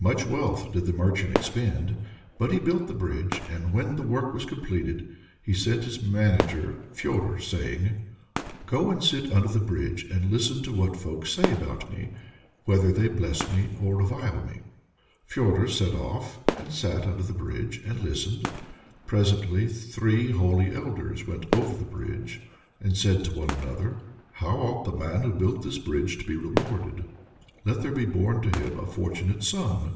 Much wealth did the merchant expend, but he built the bridge, and when the work was completed he sent his manager Fedor, saying "'Go and sit under the bridge, and listen to what folks say about me whether they bless me or revile me.' "Fedor set off, sat under the bridge, and listened. Presently three Holy Elders went over the bridge, and said one to another "'How ought the man who built this bridge to be rewarded?' 'Let there be born to him a fortunate son.